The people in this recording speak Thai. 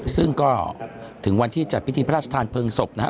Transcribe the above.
ซึ่งก็ถึงวันที่จัดพิธีพระราชทานเพลิงศพนะฮะ